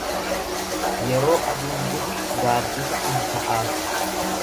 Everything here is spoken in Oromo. Yeroo aduun gubu gaaddisa in ta'aaf.